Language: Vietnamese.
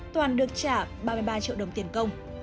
toàn được trả ba mươi ba triệu đồng tiền công